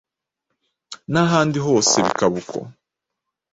n’ahandi hos bikaba uko.